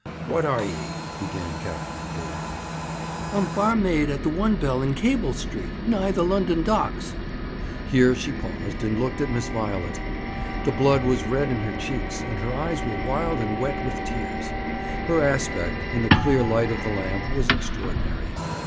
'What are ye?' began Captain Glew. 'I'm barmaid at the One Bell in Cable Street, nigh the London Docks.' Here she paused, and looked at Miss Violet. The blood was red in her cheeks, and her eyes were wild and wet with tears. Her aspect, in the clear light of the lamp, was extraordinary.